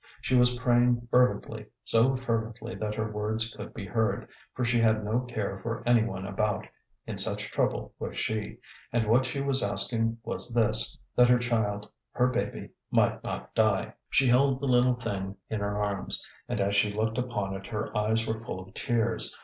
She was praying fervently, so fervently that her words could be heard, for she had no care for anyone about, in such trouble was she; and what she was asking was this, that her child, her baby, might not die. She held the little thing in her arms, and as she looked upon it her eyes were full of tears.